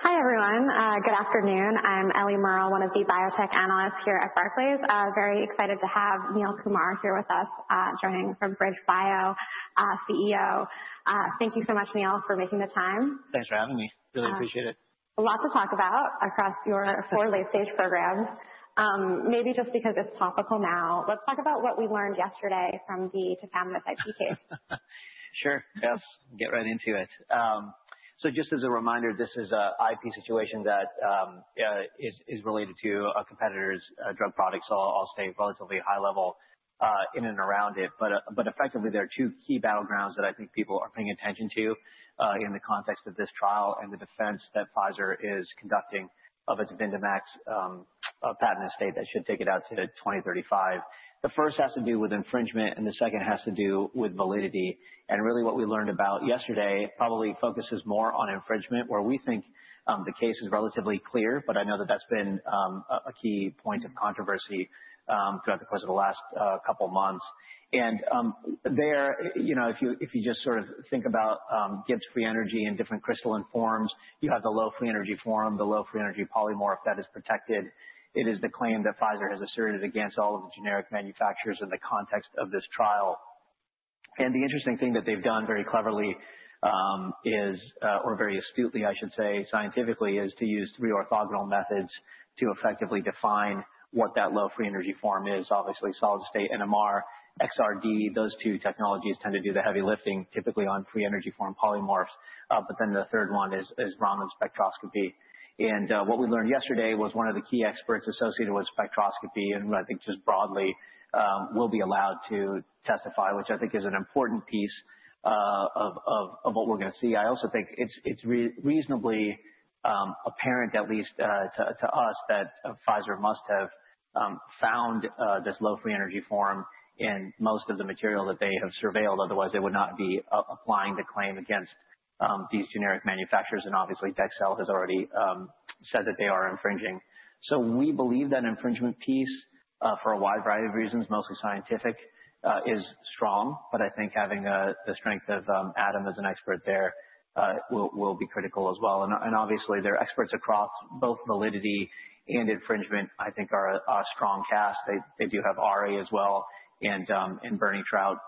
Hi, everyone. Good afternoon. I'm Elie Merle, one of the biotech analysts here at Barclays. Very excited to have Neil Kumar here with us, joining from BridgeBio, CEO. Thank you so much, Neil, for making the time. Thanks for having me. Really appreciate it. A lot to talk about across your four late-stage programs. Maybe just because it's topical now, let's talk about what we learned yesterday from the Tafamidis PT case. Sure. Yes. Get right into it. Just as a reminder, this is a IP situation that is related to a competitor's drug product, so I'll stay relatively high level in and around it. Effectively, there are two key battlegrounds that I think people are paying attention to in the context of this trial and the defense that Pfizer is conducting of its Vyndamax patent estate that should take it out to 2035. The first has to do with infringement, and the second has to do with validity. Really what we learned about yesterday probably focuses more on infringement, where we think the case is relatively clear, but I know that that's been a key point of controversy throughout the course of the last couple of months. You know, if you just sort of think about Gibbs free energy in different crystalline forms, you have the low free energy form, the low free energy polymorph that is protected. It is the claim that Pfizer has asserted against all of the generic manufacturers in the context of this trial. The interesting thing that they've done very cleverly, or very astutely, I should say, scientifically, is to use three orthogonal methods to effectively define what that low free energy form is. Obviously, Solid-state NMR, XRD, those two technologies tend to do the heavy lifting, typically on free energy form polymorphs. The third one is Raman spectroscopy. What we learned yesterday was one of the key experts associated with spectroscopy, and who I think just broadly will be allowed to testify, which I think is an important piece of what we're gonna see. I also think it's reasonably apparent, at least to us, that Pfizer must have found this low free energy form in most of the material that they have surveilled. Otherwise, they would not be applying the claim against these generic manufacturers. Obviously, Dexcel has already said that they are infringing. We believe that infringement piece for a wide variety of reasons, mostly scientific, is strong, but I think having the strength of Adam as an expert there will be critical as well. Obviously, their experts across both validity and infringement, I think are a strong cast. They do have Ari as well and Bernie Trout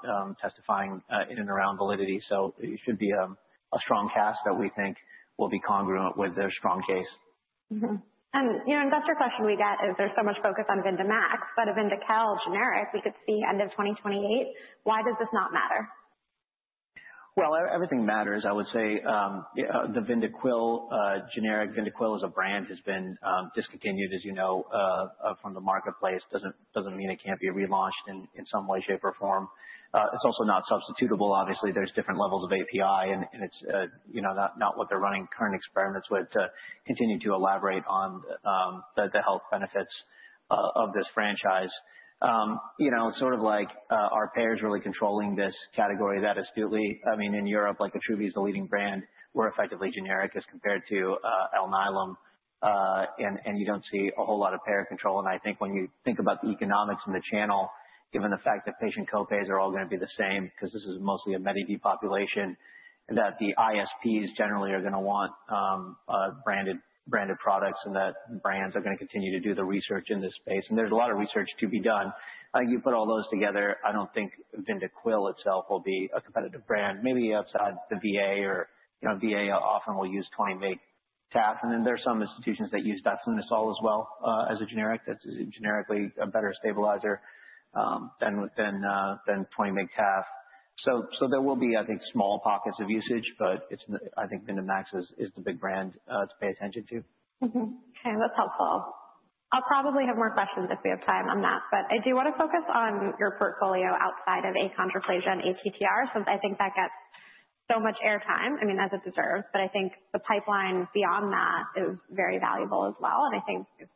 testifying in and around validity. It should be a strong cast that we think will be congruent with their strong case. You know, an investor question we get is there's so much focus on Vyndamax, but a Vyndaqel generic we could see end of 2028. Why does this not matter? Well, everything matters. I would say, the Vyndaqel generic. Vyndaqel as a brand has been discontinued, as you know, from the marketplace. Doesn't mean it can't be relaunched in some way, shape, or form. It's also not substitutable. Obviously, there's different levels of API, and it's you know, not what they're running current experiments with to continue to elaborate on the health benefits of this franchise. You know, sort of like, our payer is really controlling this category that astutely. I mean, in Europe, like, Beyonttra is the leading brand. We're effectively generic as compared to Alnylam. You don't see a whole lot of payer control. I think when you think about the economics and the channel, given the fact that patient copays are all gonna be the same 'cause this is mostly a Medicare population, that the ISPs generally are gonna want branded products and that brands are gonna continue to do the research in this space. There's a lot of research to be done. You put all those together, I don't think Vyndaqel itself will be a competitive brand. Maybe outside the VA or, you know, VA often will use 20 mg taf. Then there are some institutions that use diflunisal as well as a generic. That's generically a better stabilizer than 20 mg taf. So, there will be, I think, small pockets of usage, but I think Vyndamax is the big brand to pay attention to. Okay, that's helpful. I'll probably have more questions if we have time on that, but I do wanna focus on your portfolio outside of achondroplasia and ATTR since I think that gets so much airtime, I mean, as it deserves. I think the pipeline beyond that is very valuable as well, and I think it's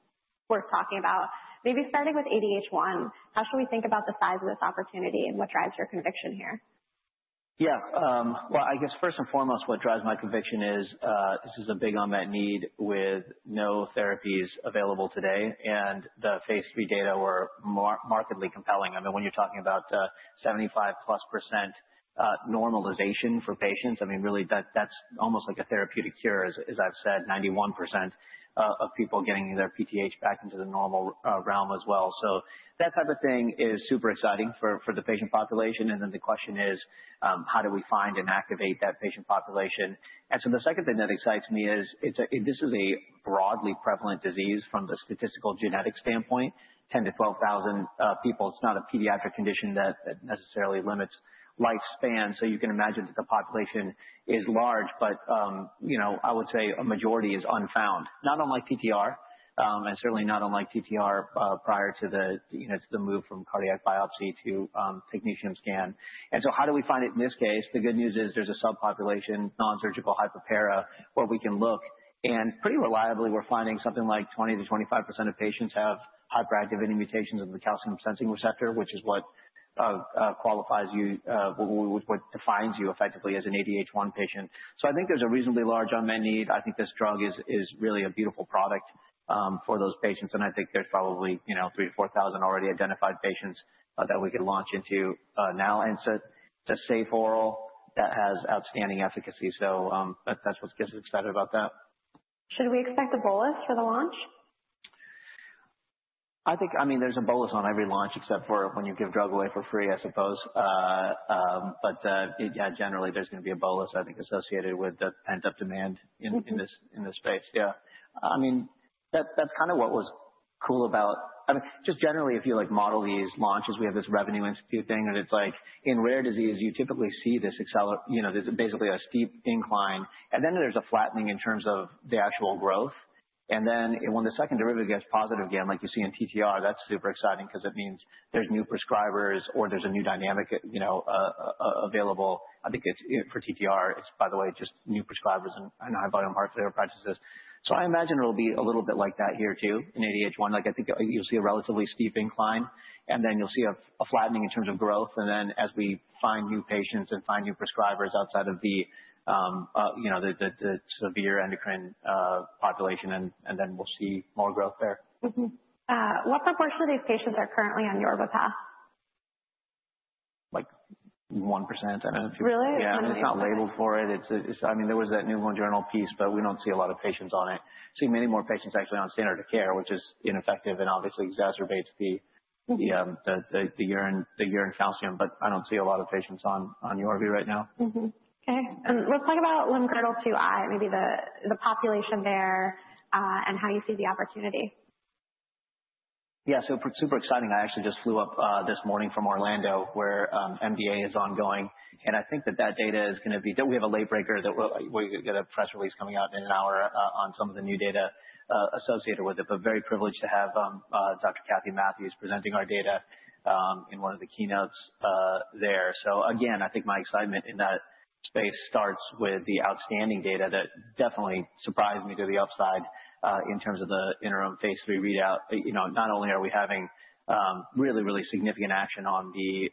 worth talking about. Maybe starting with ADH1, how should we think about the size of this opportunity and what drives your conviction here? Yeah. Well, I guess first and foremost, what drives my conviction is this is a big unmet need with no therapies available today, and the Phase III data were markedly compelling. I mean, when you're talking about 75%+ normalization for patients, I mean, really, that's almost like a therapeutic cure, as I've said, 91% of people getting their PTH back into the normal realm as well. That type of thing is super exciting for the patient population. Then the question is, how do we find and activate that patient population? The second thing that excites me is it's a broadly prevalent disease from the statistical genetic standpoint. 10-12,000 people. It's not a pediatric condition that necessarily limits lifespan. You can imagine that the population is large. I would say a majority is unfound, not unlike ATTR, and certainly not unlike ATTR prior to the move from cardiac biopsy to Technetium scan. How do we find it in this case? The good news is there's a subpopulation, non-surgical hypoparathyroidism, where we can look. Pretty reliably, we're finding something like 20%-25% of patients have hyperactive mutations of the calcium-sensing receptor, which is what defines you effectively as an ADH1 patient. I think there's a reasonably large unmet need. I think this drug is really a beautiful product for those patients. I think there's probably 3,000-4,000 already identified patients that we could launch into now. It's a safe oral that has outstanding efficacy. That's what gets us excited about that. Should we expect a bolus for the launch? I think, I mean, there's a bolus on every launch except for when you give drug away for free, I suppose. Yeah, generally there's gonna be a bolus, I think associated with the pent-up demand in this space. Yeah. I mean, that's kinda what was cool about. I mean, just generally, if you like model these launches, we have this revenue inflection thing, and it's like in rare disease you typically see this acceleration, you know, there's basically a steep incline, and then there's a flattening in terms of the actual growth. Then when the second derivative gets positive again, like you see in TTR, that's super exciting because it means there's new prescribers or there's a new dynamic, you know, available. I think it's for TTR, it's by the way, just new prescribers and high-volume heart centers in their practices. I imagine it'll be a little bit like that here too, in ADH1. Like, I think you'll see a relatively steep incline, and then you'll see a flattening in terms of growth. Then as we find new patients and find new prescribers outside of the, you know, the severe endocrine population and then we'll see more growth there. Mm-hmm. What proportion of these patients are currently on Yorvipath? Like 1%. I don't know if you- Really? Yeah. It's not labeled for it. I mean, there was that New England Journal piece, but we don't see a lot of patients on it. See many more patients actually on standard of care, which is ineffective and obviously exacerbates the. Mm-hmm. the urine calcium. But I don't see a lot of patients on Yorvipath right now. Mm-hmm. Okay. Let's talk about limb-girdle 2I, maybe the population there, and how you see the opportunity. Yeah. Super exciting. I actually just flew up this morning from Orlando where MDA is ongoing, and I think that data is gonna be. We have a late breaker that we'll get a press release coming out in an hour on some of the new data associated with it. Very privileged to have Dr. Kathy Matthews presenting our data in one of the keynotes there. Again, I think my excitement in that space starts with the outstanding data that definitely surprised me to the upside in terms of the interim Phase III readout. You know, not only are we having really significant action on the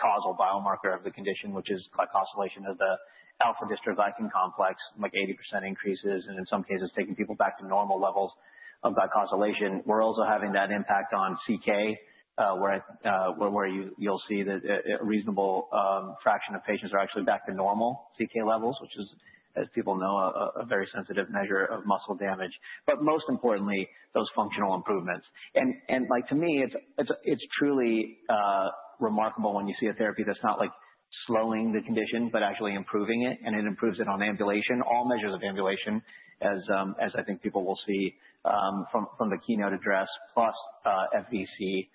causal biomarker of the condition, which is glycosylation of the alpha-dystroglycan complex, like 80% increases and in some cases taking people back to normal levels of glycosylation. We're also having that impact on CK, where you'll see that a reasonable fraction of patients are actually back to normal CK levels, which is, as people know, a very sensitive measure of muscle damage. Most importantly, those functional improvements. Like to me, it's truly remarkable when you see a therapy that's not like slowing the condition but actually improving it, and it improves it on ambulation, all measures of ambulation as I think people will see from the keynote address, plus FVC,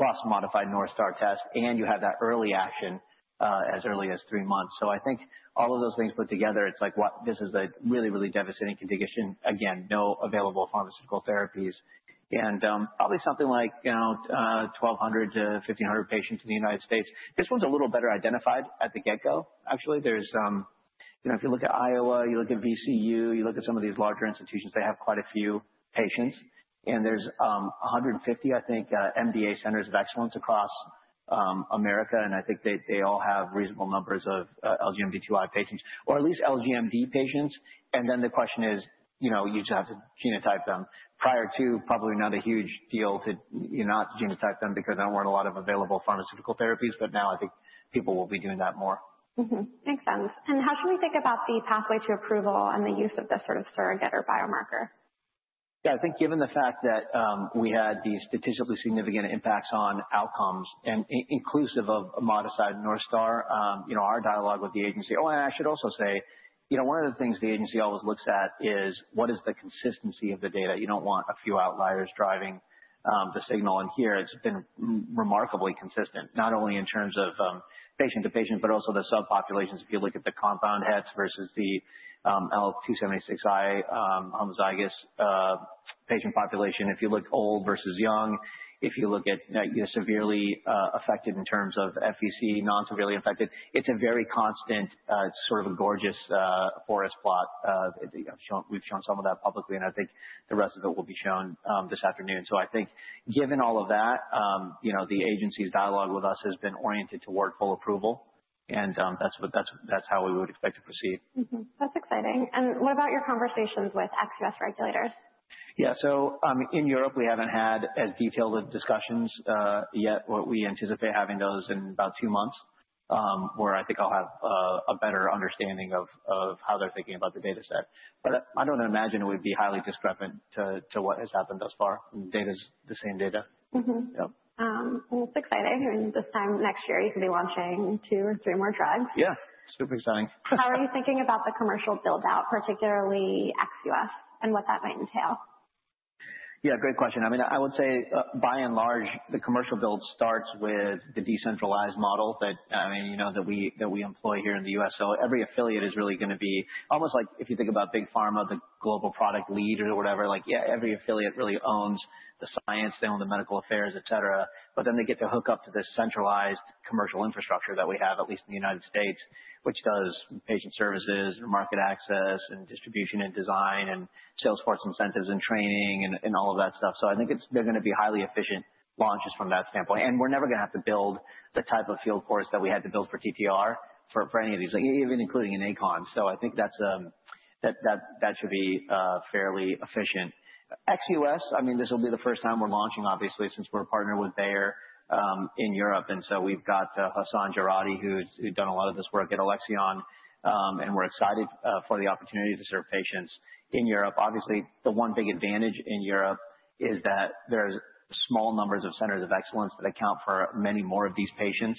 plus modified North Star test, and you have that early action as early as three months. I think all of those things put together, it's like, what this is a really devastating condition. Again, no available pharmaceutical therapies. Probably something like, you know, 1,200-1,500 patients in the United States. This one's a little better identified at the get-go. Actually, there's you know, if you look at Iowa, you look at VCU, you look at some of these larger institutions, they have quite a few patients. There's 150, I think, MDA centers of excellence across America. I think they all have reasonable numbers of LGMD2I patients or at least LGMD patients. Then the question is, you know, you just have to genotype them. Prior to probably not a huge deal to, you know, not genotype them because there weren't a lot of available pharmaceutical therapies. Now I think people will be doing that more. Mm-hmm. Makes sense. How should we think about the pathway to approval and the use of this sort of surrogate or biomarker? Yeah. I think given the fact that we had these statistically significant impacts on outcomes and inclusive of a modified North Star, you know, our dialogue with the agency. Oh, and I should also say, you know, one of the things the agency always looks at is what is the consistency of the data. You don't want a few outliers driving the signal. Here it's been remarkably consistent, not only in terms of patient to patient, but also the subpopulations. If you look at the compound hets versus the L276I homozygous patient population. If you look old versus young, if you look at, you know, severely affected in terms of FVC, non-severely affected, it's a very constant, sort of a gorgeous forest plot of, you know, we've shown some of that publicly, and I think the rest of it will be shown this afternoon. I think given all of that, you know, the agency's dialogue with us has been oriented toward full approval, and that's how we would expect to proceed. Mm-hmm. That's exciting. What about your conversations with ex-U.S. regulators? In Europe, we haven't had as detailed of discussions yet. What we anticipate having those in about two months, where I think I'll have a better understanding of how they're thinking about the data set. I don't imagine it would be highly discrepant to what has happened thus far. The data's the same data. Mm-hmm. Yep. Well, it's exciting. I mean, this time next year, you could be launching two or three more drugs. Yeah. Super exciting. How are you thinking about the commercial build-out, particularly ex U.S., and what that might entail? Yeah, great question. I mean, I would say by and large, the commercial build starts with the decentralized model that, I mean, you know, that we employ here in the U.S. Every affiliate is really gonna be almost like if you think about big pharma, the global product lead or whatever, like, yeah, every affiliate really owns the science, they own the medical affairs, etc. They get to hook up to this centralized commercial infrastructure that we have, at least in the United States, which does patient services and market access and distribution and design and sales force incentives and training and all of that stuff. I think it's, they're gonna be highly efficient launches from that standpoint. We're never gonna have to build the type of field force that we had to build for TTR for any of these, even including in achondroplasia. So, I think that should be fairly efficient. Ex U.S., I mean, this will be the first time we're launching, obviously, since we're a partner with Bayer in Europe. We've got Hassan Jurdi, who's done a lot of this work at Alexion. We're excited for the opportunity to serve patients. In Europe, obviously, the one big advantage in Europe is that there's small numbers of centers of excellence that account for many more of these patients.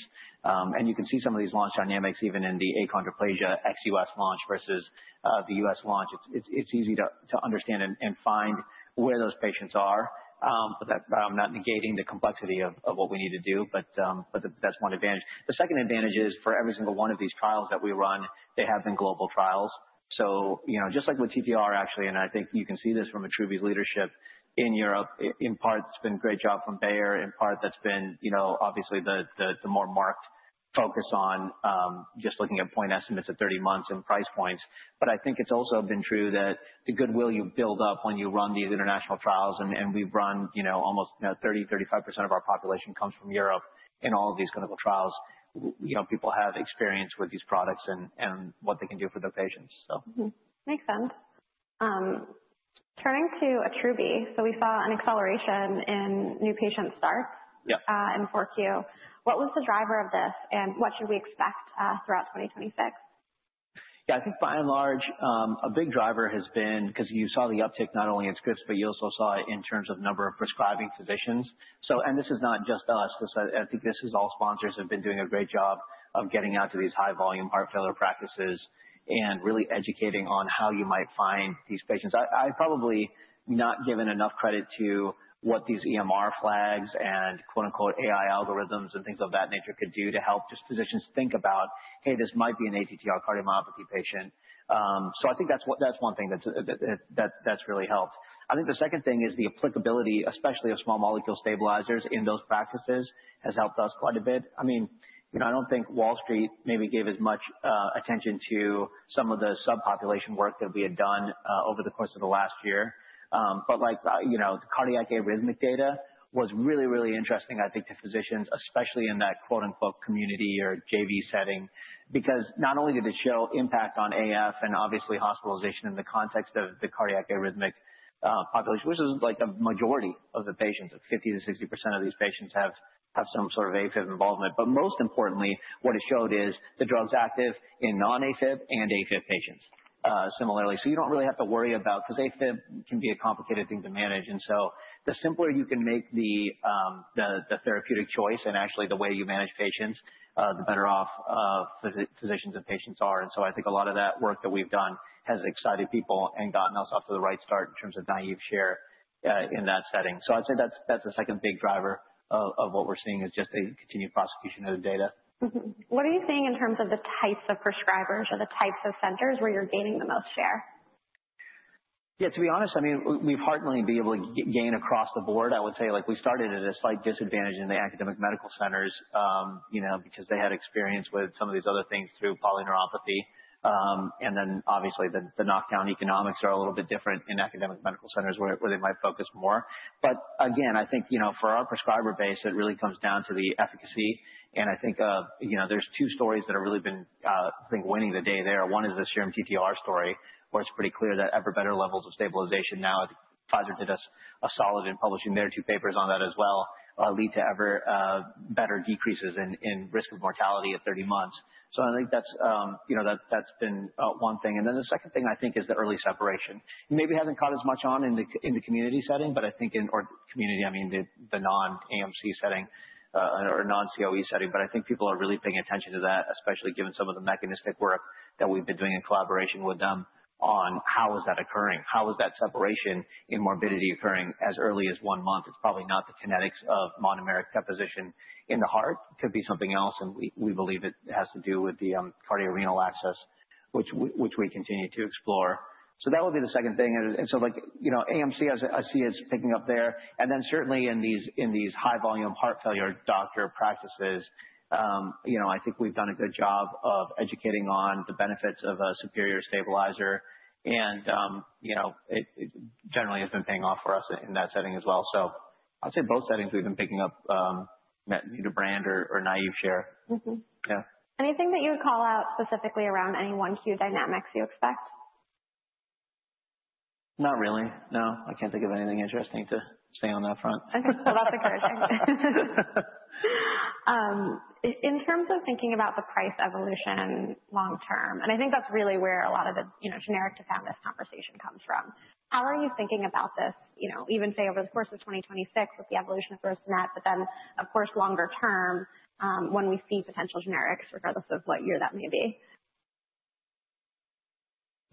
You can see some of these launch dynamics even in the achondroplasia ex U.S. launch versus the U.S. launch. It's easy to understand and find where those patients are. That's one advantage. The second advantage is for every single one of these trials that we run, they have been global trials. You know, just like with TTR actually, and I think you can see this from Attruby's leadership in Europe. In part, it's been great job from Bayer. In part, that's been, you know, obviously the more marked focus on just looking at point estimates of 30 months and price points. I think it's also been true that the goodwill you build up when you run these international trials and we've run, you know, almost 30%-35% of our population comes from Europe in all of these clinical trials. You know, people have experience with these products and what they can do for their patients, so. Makes sense. Turning to Attruby, we saw an acceleration in new patient starts. Yeah. In Q4. What was the driver of this, and what should we expect throughout 2026? Yeah, I think by and large, a big driver has been 'cause you saw the uptick not only in scripts, but you also saw it in terms of number of prescribing physicians. This is not just us. This, I think this is all sponsors have been doing a great job of getting out to these high volume heart failure practices and really educating on how you might find these patients. I've probably not given enough credit to what these EMR flags and quote-unquote AI algorithms and things of that nature could do to help just physicians think about, "Hey, this might be an ATTR cardiomyopathy patient." I think that's what that's one thing that's really helped. I think the second thing is the applicability, especially of small molecule stabilizers in those practices, has helped us quite a bit. I mean, you know, I don't think Wall Street maybe gave as much attention to some of the subpopulation work that we had done over the course of the last year. Like, you know, the cardiac arrhythmia data was really, really interesting, I think, to physicians, especially in that quote-unquote, community or JV setting. Because not only did it show impact on AF and obviously hospitalization in the context of the cardiac arrhythmia population, which is like the majority of the patients. 50%-60% of these patients have some sort of AFib involvement. Most importantly, what it showed is the drug's active in non-AFib and AFib patients, similarly. You don't really have to worry about, 'cause AFib can be a complicated thing to manage. The simpler you can make the therapeutic choice and actually the way you manage patients, the better off physicians and patients are. I think a lot of that work that we've done has excited people and gotten us off to the right start in terms of naive share in that setting. That's the second big driver of what we're seeing, is just a continued prosecution of the data. What are you seeing in terms of the types of prescribers or the types of centers where you're gaining the most share? Yeah, to be honest, I mean, we've hardly been able to gain across the board. I would say, like, we started at a slight disadvantage in the academic medical centers, you know, because they had experience with some of these other things through polyneuropathy. Obviously, the knock-down economics are a little bit different in academic medical centers where they might focus more. Again, I think, you know, for our prescriber base, it really comes down to the efficacy. I think, you know, there's two stories that have really been, I think winning the day there. One is the serum TTR story, where it's pretty clear that ever better levels of stabilization now, Pfizer did us a solid in publishing their two papers on that as well, lead to ever better decreases in risk of mortality at 30 months. I think that's you know that's been one thing. Then the second thing I think is the early separation. Maybe hasn't caught as much on in the community setting, but I think in the community setting, I mean the non-AMC setting, or non-COE setting. I think people are really paying attention to that, especially given some of the mechanistic work that we've been doing in collaboration with them on how is that occurring, how is that separation in morbidity occurring as early as one month. It's probably not the kinetics of monomeric deposition in the heart. Could be something else, and we believe it has to do with the cardiorenal axis, which we continue to explore. That would be the second thing. Like, you know, AMC I see as picking up there. Then certainly in these high-volume heart failure doctor practices, you know, I think we've done a good job of educating on the benefits of a superior stabilizer. You know, it generally has been paying off for us in that setting as well. I'd say both settings we've been picking up, net, either brand or naive share. Mm-hmm. Yeah. Anything that you would call out specifically around any 1Q dynamics you expect? Not really, no. I can't think of anything interesting to say on that front. Okay. Well, that's encouraging. In terms of thinking about the price evolution long term, I think that's really where a lot of the, you know, interest in this conversation comes from. How are you thinking about this, you know, even say over the course of 2026 with the evolution of first gen, but then of course longer term, when we see potential generics, regardless of what year that may be?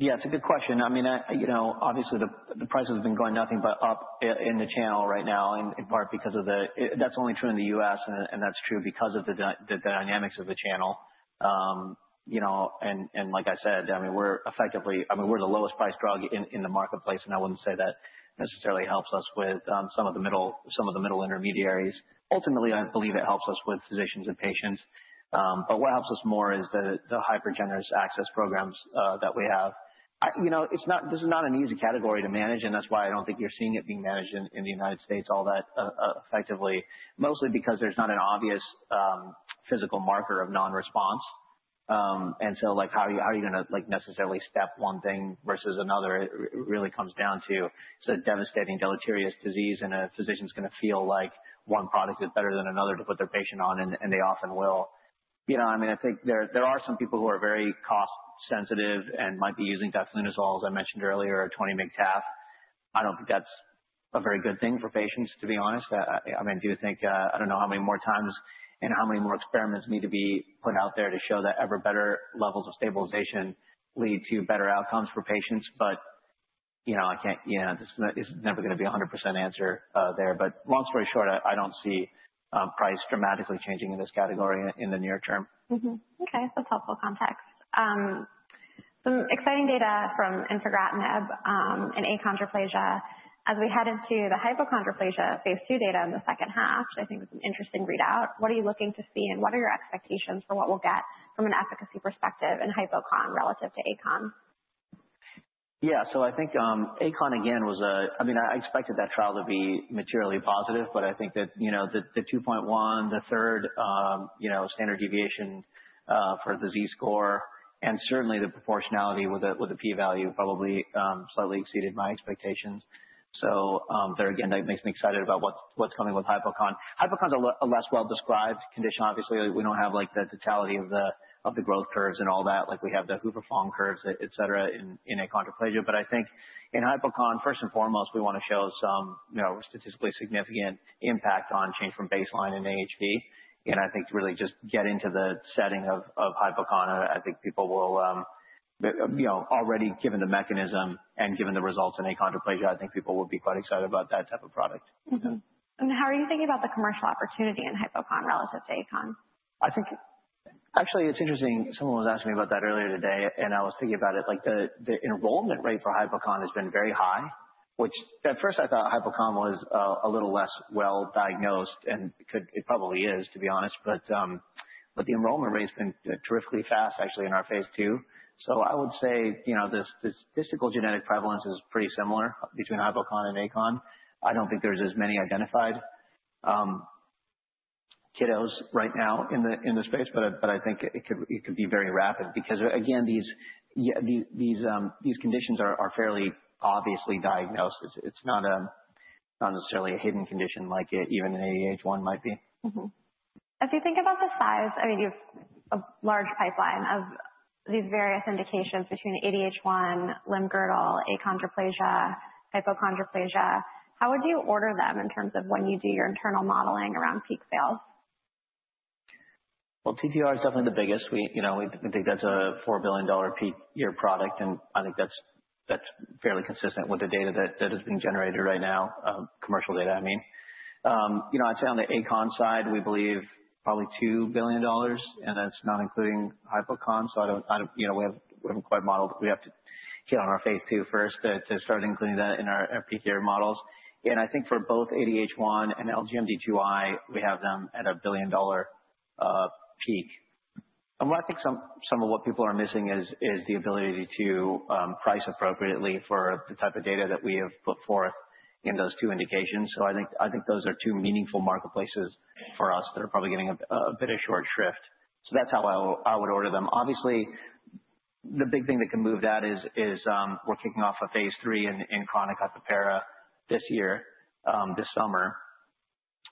Yeah, it's a good question. I mean, you know, obviously the price has been going nothing but up in the channel right now. That's only true in the U.S. and that's true because of the dynamics of the channel. You know, like I said, I mean, we're the lowest priced drug in the marketplace, and I wouldn't say that necessarily helps us with some of the middle intermediaries. Ultimately, I believe it helps us with physicians and patients. What helps us more is the hyper-generous access programs that we have. You know, this is not an easy category to manage, and that's why I don't think you're seeing it being managed in the United States all that effectively. Mostly because there's not an obvious physical marker of non-response. Like, how are you gonna necessarily step one thing versus another? It really comes down to it's a devastating deleterious disease, and a physician's gonna feel like one product is better than another to put their patient on, and they often will. You know, I mean, I think there are some people who are very cost sensitive and might be using diflunisal, as I mentioned earlier, at 20 mg tab. I don't think that's a very good thing for patients, to be honest. I mean, I do think I don't know how many more times and how many more experiments need to be put out there to show that ever better levels of stabilization lead to better outcomes for patients. You know, I can't. You know, this is never gonna be a 100% answer, there. Long story short, I don't see price dramatically changing in this category in the near term. Okay. That's helpful context. Some exciting data from infigratinib in achondroplasia. As we head into the hypochondroplasia Phase II data in the second half, which I think was an interesting readout, what are you looking to see and what are your expectations for what we'll get from an efficacy perspective in hypocon relative to achon? Yeah. I think achondroplasia again was. I mean, I expected that trial to be materially positive, but I think that, you know, the 2.1, the third standard deviation for the Z-score and certainly the proportionality with the P value probably slightly exceeded my expectations. There again, that makes me excited about what's coming with hypochondroplasia. Hypochondroplasia's a less well-described condition. Obviously, we don't have like the totality of the growth curves and all that, like we have the Hoover-Fong curves, et cetera, in achondroplasia. I think in hypochondroplasia, first and foremost, we wanna show some, you know, statistically significant impact on change from baseline in AHV. I think to really just get into the setting of hypochondroplasia, I think people will, you know, already given the mechanism and given the results in achondroplasia, I think people will be quite excited about that type of product. How are you thinking about the commercial opportunity in hypochondroplasia relative to achondroplasia? I think. Actually, it's interesting. Someone was asking me about that earlier today, and I was thinking about it. Like, the enrollment rate for hypocon has been very high, which at first I thought hypocon was a little less well diagnosed, it probably is, to be honest. The enrollment rate's been terrifically fast, actually in our Phase II. I would say, you know, the statistical genetic prevalence is pretty similar between hypocon and achon. I don't think there's as many identified kiddos right now in the space, but I think it could be very rapid because again, these conditions are fairly obviously diagnosed. It's not necessarily a hidden condition like even an ADH1 might be. As you think about the size, I mean, you have a large pipeline of these various indications between ADH1, limb-girdle, achondroplasia, hypochondroplasia, how would you order them in terms of when you do your internal modeling around peak sales? Well, TTR is definitely the biggest. We, you know, we think that's a $4 billion peak year product, and I think that's fairly consistent with the data that is being generated right now, commercial data, I mean. You know, I'd say on the achondroplasia side, we believe probably $2 billion, and that's not including hypochondroplasia. I don't. You know, we haven't quite modeled. We have to get on our Phase II first to start including that in our peak year models. I think for both ADH1 and LGMD2I, we have them at a $1 billion peak. What I think some of what people are missing is the ability to price appropriately for the type of data that we have put forth in those two indications. I think those are two meaningful marketplaces for us that are probably getting a bit of short shrift. That's how I would order them. Obviously, the big thing that can move that is we're kicking off a Phase III in chronic hyperparathyroidism this year, this summer.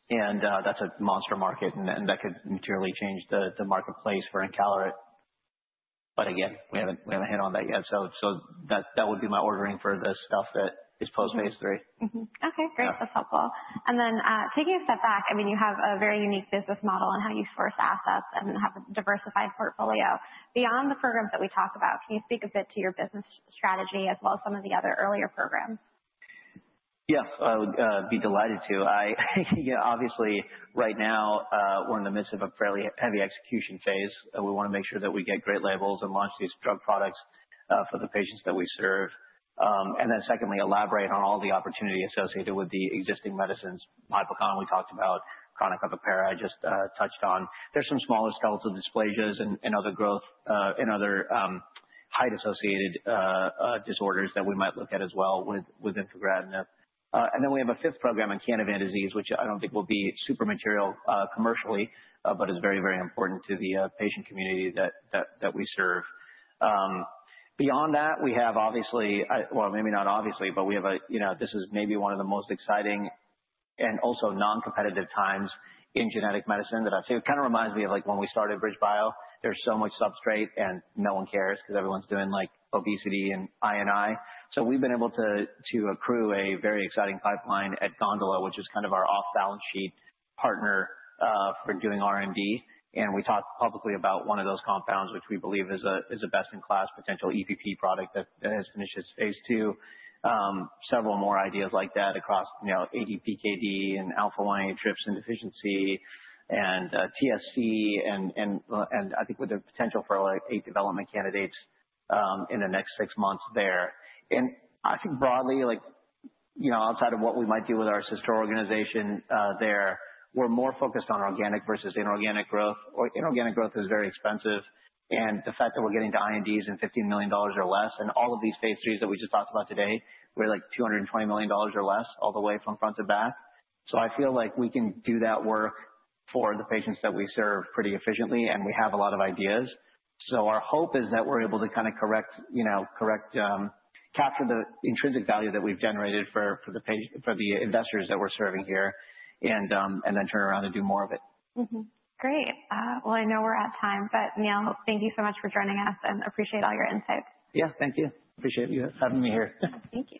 That's a monster market and that could materially change the marketplace for encaleret. But again, we haven't hit on that yet. That would be my ordering for the stuff that is post-Phase III. Mmm-hmm. Okay, great. Yeah. That's helpful. Taking a step back, I mean, you have a very unique business model on how you source assets and have a diversified portfolio. Beyond the programs that we talked about, can you speak a bit to your business strategy as well as some of the other earlier programs? Yes, I would be delighted to. I, you know, obviously right now, we're in the midst of a fairly heavy execution phase, and we wanna make sure that we get great labels and launch these drug products for the patients that we serve. Then secondly, elaborate on all the opportunity associated with the existing medicines. Hypochondroplasia, we talked about. Chronic hyperparathyroidism I just touched on. There's some smaller skeletal dysplasias and other growth and other height associated disorders that we might look at as well with infigratinib. Then we have a fifth program in Canavan disease, which I don't think will be super material commercially, but is very, very important to the patient community that we serve. Beyond that, we have obviously... Well, maybe not obviously, but we have a, you know, this is maybe one of the most exciting and also non-competitive times in genetic medicine that I've seen. It kind of reminds me of, like, when we started BridgeBio. There's so much substrate and no one cares because everyone's doing, like, obesity and I&I. We've been able to accrue a very exciting pipeline at GondolaBio, which is kind of our off-balance sheet partner for doing R&D. We talked publicly about one of those compounds, which we believe is a best-in-class potential EPP product that has finished its Phase II. Several more ideas like that across, you know, ADPKD and alpha-1 antitrypsin deficiency and TSC, and I think with the potential for like eight development candidates in the next six months there. I think broadly, like, you know, outside of what we might do with our sister organization, we're more focused on organic versus inorganic growth. Like, inorganic growth is very expensive, and the fact that we're getting to INDs in $15 million or less and all of these Phase III that we just talked about today were like $220 million or less all the way from front to back. I feel like we can do that work for the patients that we serve pretty efficiently, and we have a lot of ideas. Our hope is that we're able to kind of recapture the intrinsic value that we've generated for the investors that we're serving here and then turn around and do more of it. Great. Well, I know we're out of time, but Neil, thank you so much for joining us and appreciate all your insights. Yeah, thank you. Appreciate you having me here. Thank you.